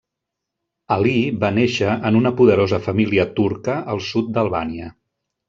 Alí va néixer en una poderosa família turca al sud d'Albània.